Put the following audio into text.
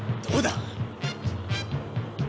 「どうだ？」